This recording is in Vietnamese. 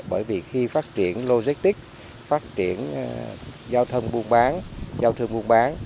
bởi vì khi phát triển logistic phát triển giao thông buôn bán